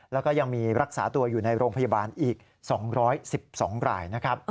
แล้วก็ยังมีรักษาตัวอยู่ในโรงพยาบาลอีก๒๑๒รายนะครับ